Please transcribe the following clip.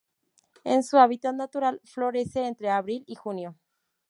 En su hábitat natural, florece entre abril y junio.